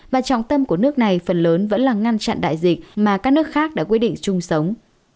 và trọng tâm của nước này phần lớn vẫn là ngăn chặn đại dịch mà các nước khác đã quyết định chung sống